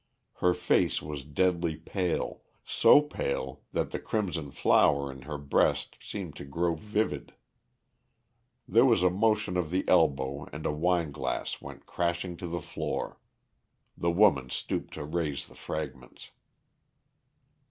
Her face was deadly pale, so pale that the crimson flower in her breast seemed to grow vivid. There was a motion of the elbow and a wine glass went crashing to the floor. The woman stooped to raise the fragments.